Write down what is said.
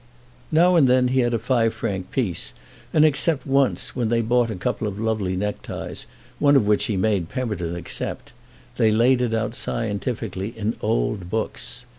Now and then he had a five franc piece, and except once, when they bought a couple of lovely neckties, one of which he made Pemberton accept, they laid it out scientifically in old books.